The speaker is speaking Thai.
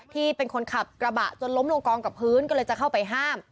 ที่เป็นคนขับกระบะจนล้มลงกองกับพื้นก็เลยจะเข้าไปห้าม